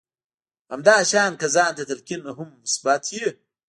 همدا شان که ځان ته تلقين هم مثبت وي.